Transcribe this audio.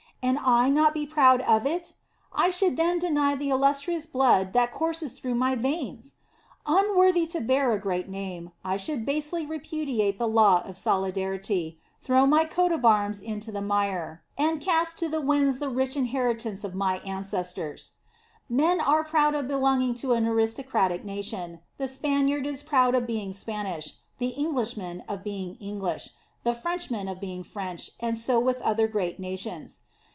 And I not be proud of it! I should then deny the illustrious blood that courses through my veins! Unworthy to bear a great name, I should basely repudiate the law of solidarity, throw my coat of arms in "o the mire, and cast 6* 66 The Sign of the Cross to the winds the rich inheritance of my ances tors. Men are proud of belonging to an aristo cratic nation. The Spaniard is proud of being Spanish; the Englishman, of being English; the Frenchman of being French, and so with other great nations.